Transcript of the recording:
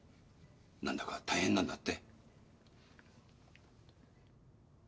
何だか大変なんだって？